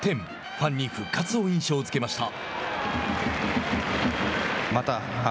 ファンに復活を印象づけました。